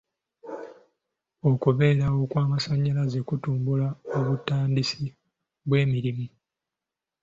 Okubeerawo kw'amasannyalaze kutumbula obutandisi bw'emirimu.